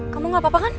kamu gak apa apa kan